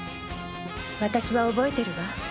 私は覚えてるわ。